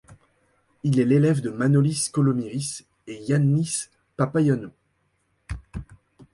Il est l'élève de Manolis Kolomiris et Yánnis Papaioánnou.